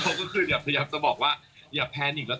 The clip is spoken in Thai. เขาก็คือแบบพยายามจะบอกว่าอย่าแพลนอีกแล้ว